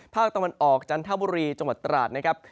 ภาคตะวันออกจันทบุรีจังหวัดตราดนะครับ